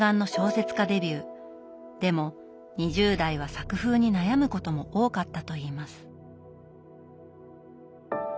でも２０代は作風に悩むことも多かったといいます。